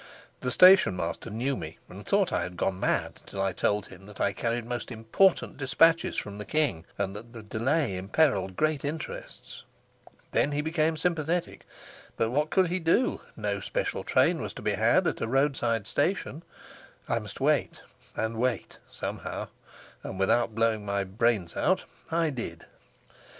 The stationmaster knew me, and thought I had gone mad, till I told him that I carried most important despatches from the king, and that the delay imperiled great interests. Then he became sympathetic; but what could he do? No special train was to be had at a roadside station: I must wait; and wait, somehow, and without blowing my brains out, I did.